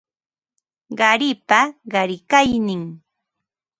Qaripa qarikaynin